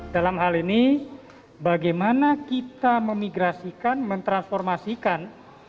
dalam hal ini bagaimana kita memigrasikan mentransformasikan